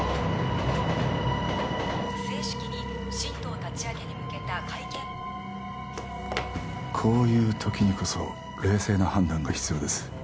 正式に新党立ち上げに向けた会見こういう時にこそ冷静な判断が必要です